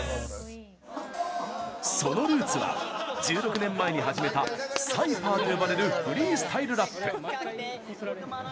そのルーツは、１６年前に始めたサイファーと呼ばれるフリースタイルラップ。